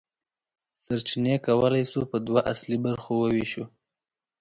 سرچینې کولی شو په دوه اصلي برخو وویشو.